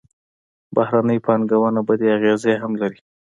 بهرنۍ پانګونه بدې اغېزې هم لري.